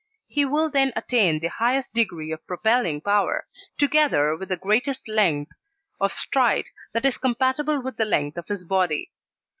He will then attain the highest degree of propelling power, together with the greatest length of stride that is compatible with the length of his body.